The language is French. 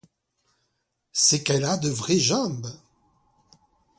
C'est qu'elle a de vraies jambes!